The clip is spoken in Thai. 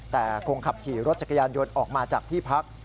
แต่คงขับขี่รถจักรยานยนต์ออกมาจากที่พัก